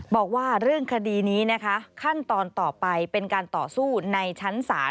บอกว่าเรื่องคดีนี้นะคะขั้นตอนต่อไปเป็นการต่อสู้ในชั้นศาล